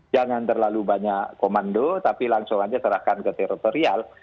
jangan terlalu banyak komando tapi langsung aja serahkan ke teritorial